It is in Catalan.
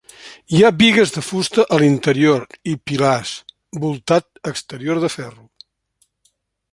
Hi ha bigues de fusta a l'interior i pilars, voltat exterior de ferro.